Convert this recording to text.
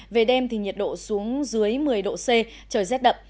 về đêm thì nhiệt độ xuống dưới một mươi độ c trời rét đậm